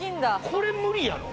これ無理やろ？